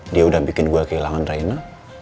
dia udah bikin gua kehilangan raina